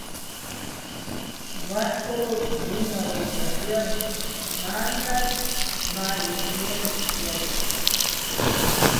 ვაჰ̦გო ღუ́ჲნარ ო́ჯახ ჲარ, ნა́ნ-და́დ, მა́რი ბიენო̆ ჲაჟარ.